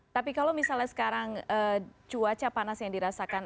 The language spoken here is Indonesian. tapi kalau misalnya sekarang cuaca panas yang dirasakan